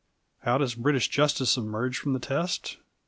How does British justice emerge from the test?